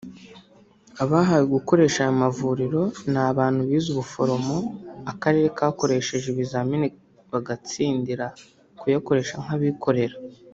Abahawe gukoresha aya mavuriro ni abantu bize ubuforomo akarere kakoresheje ibizamini bagatsindira kuyakoresha nk’abikorera